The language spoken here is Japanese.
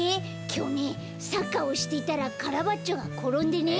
きょうねサッカーをしていたらカラバッチョがころんでね。